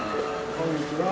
こんにちは。